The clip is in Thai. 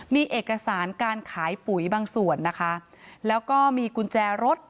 มีเอกสารการขายปุ๋ยบางส่วนนะคะแล้วก็มีกุญแจรถ